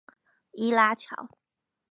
伊拉橋